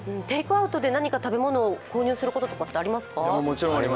テイクアウトで何か食べ物を購入することってありますか？